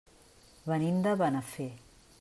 Venim de Benafer.